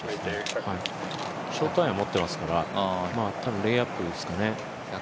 ショートアイアン持っていますから、レイアップですかね。